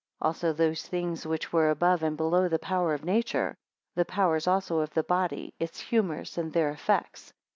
13 Also those things which were above and below the power of nature; 14 The powers also of the body, its humours, and their effects.